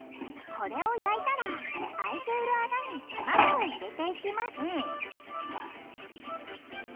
これを焼いたら空いている穴に卵を入れていきますうん。